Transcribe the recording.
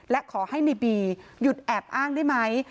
และขอให้ในบีหยุดแอบอ้างได้ไหม